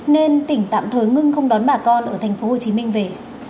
nên tỉnh tạm thời ngưng không đón bà con ở tp hcm về